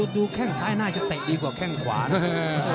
ดูแข้งซ้ายน่าจะเตะดีกว่าแข้งขวานะ